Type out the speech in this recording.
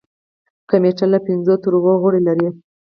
کمیټه له پنځو تر اوو غړي لري.